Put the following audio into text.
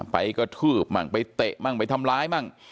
ไปกระทืบบ้างไปเตะบ้างไปทำร้ายบ้าง